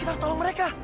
kita harus tolong mereka